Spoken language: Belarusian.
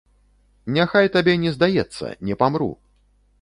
Няхай табе не здаецца, не памру.